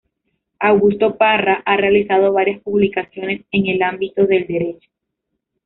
Augusto Parra ha realizado varias publicaciones en el ámbito del derecho.